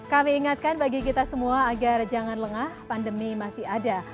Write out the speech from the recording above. kami ingatkan bagi kita semua agar jangan lengah pandemi masih ada